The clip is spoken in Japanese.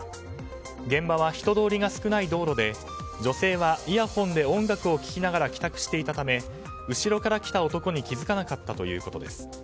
現場は人通りが少ない道路で女性はイヤホンで音楽を聴きながら帰宅していたため後ろから来た男に気づかなかったということです。